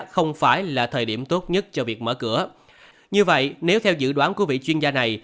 không phải là thời điểm tốt nhất cho việc mở cửa như vậy nếu theo dự đoán của vị chuyên gia này